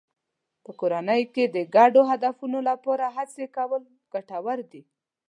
په کورنۍ کې د ګډو هدفونو لپاره هڅې کول ګټور دي.